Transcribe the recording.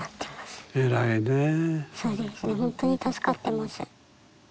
ほんとに助かってます。